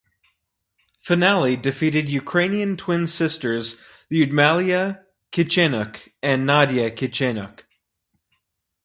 Finale defeated ukrainian twin sisters Lyudmyla Kichenok and Nadiia Kichenok.